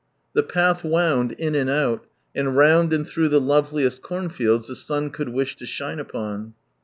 The path wound in and out, and round and through the loveliest cornfields the sun could wish to shine upon.